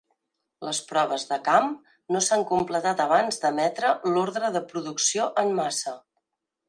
Les proves de camp no s"han completat abans d"emetre l"ordre de producció en massa.